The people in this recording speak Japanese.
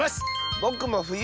ぼくもふゆ。